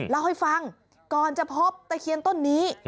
เล่าให้ฟังก่อนจะพบตะเคียนต้นนี้